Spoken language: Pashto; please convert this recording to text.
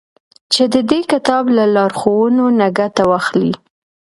چي د دې كتاب له لارښوونو نه گټه واخلي.